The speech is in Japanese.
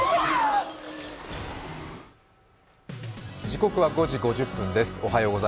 時刻は５時５０分です。